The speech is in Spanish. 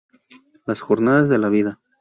Las jornadas de la vida.